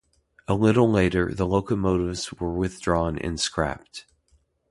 A little later the locomotives were withdrawn and scrapped.